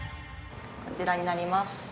こちらになります